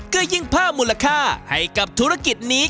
ก็ยิ่งเพิ่มมูลค่าให้กับธุรกิจนี้